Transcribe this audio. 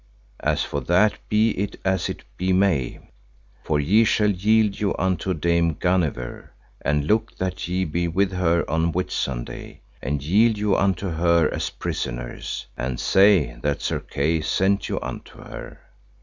As for that be it as it be may, for ye shall yield you unto dame Guenever, and look that ye be with her on Whitsunday, and yield you unto her as prisoners, and say that Sir Kay sent you unto her.